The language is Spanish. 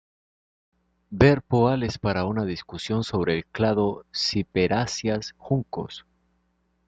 Ver Poales para una discusión sobre el clado ciperáceas-juncos.